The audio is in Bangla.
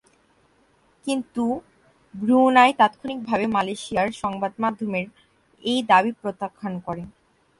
কিন্তু ব্রুনাই তাৎক্ষণিকভাবে, মালয়েশিয়ার সংবাদমাধ্যমের এই দাবি প্রত্যাখ্যান করে।